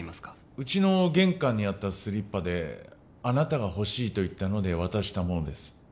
うちの玄関にあったスリッパであなたが欲しいと言ったので渡したものです